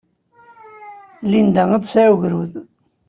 Linda ad d-tesɛu agrud.